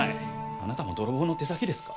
あなたも泥棒の手先ですか？